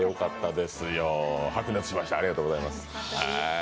白熱しました、ありがとうございます。